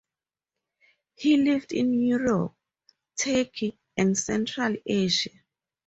He lived in Europe, Turkey, and Central Asia.